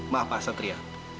maaf pak satria